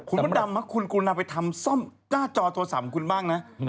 คุณมดดำคุณเอาไปทำซ่อมหน้าจอโทรศัพท์ของคุณบ้างนะ